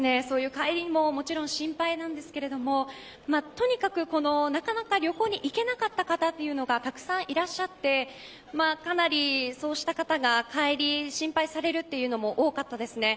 帰りも心配なんですけどなかなか旅行に行けなかった方というのがたくさんいらっしゃってかなりそうした方が帰りを心配されるという方も多かったです。